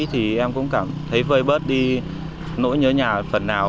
thì em cũng cảm thấy vơi bớt đi nỗi nhớ nhà phần nào